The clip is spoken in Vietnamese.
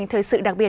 nguồn lực fate